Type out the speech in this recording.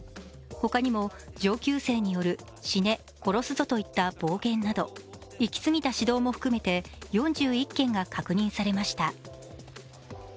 ほかにも上級生による「死ね」「殺すぞ」といった暴言など行き過ぎた指導も含めて４１件が確認されました。